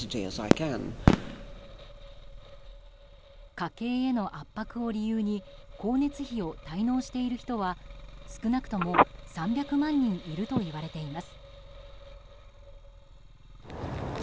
家計への圧迫を理由に光熱費を滞納している人は少なくとも３００万人いるといわれています。